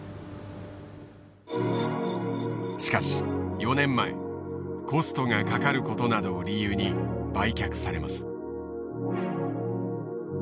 しかし４年前コストがかかることなどを理由に売却されます。